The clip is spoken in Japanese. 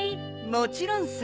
もちろんさ。